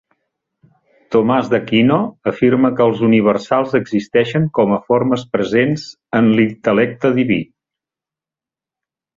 Tomàs d'Aquino afirma que els universals existeixen com a formes presents en l'intel·lecte diví.